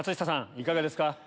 いかがですか？